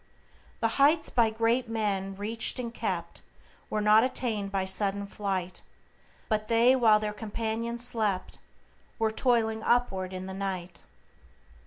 "The heights by great men reached and kept, Were not attained by sudden flight, But they, while their companions slept, Were toiling upward in the night."